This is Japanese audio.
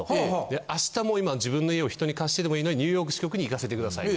で明日もう今自分の家を人に貸してでもいいのでニューヨーク支局に行かせてください。